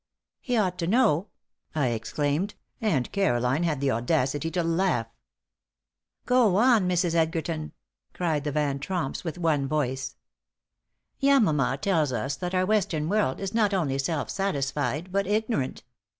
"He ought to know," I exclaimed, and Caroline had the audacity to laugh. "Go on, Mrs. Edgerton," cried the Van Tromps with one voice. "Yamama tells us that our Western world is not only self satisfied, but ignorant.